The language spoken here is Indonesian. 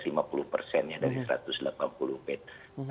dari satu ratus delapan puluh pet